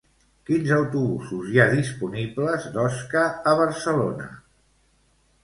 Quins autobusos hi ha disponibles d'Osca a Barcelona?